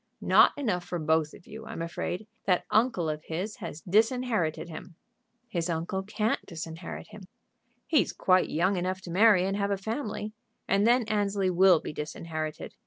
"Not enough for both of you, I'm afraid. That uncle of his has disinherited him." "His uncle can't disinherit him." "He's quite young enough to marry and have a family, and then Annesley will be disinherited.